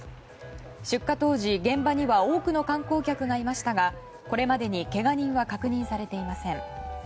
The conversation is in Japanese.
出火当時、現場には多くの観光客がいましたがこれまでに、けが人は確認されていません。